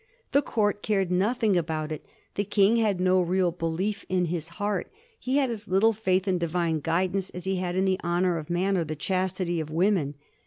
The Court cared nothing about it. The King had no real belief in his heart; he had as little faith in Divine guidance as he had in the honor of man or the chastity of woman.